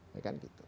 ya kan gitu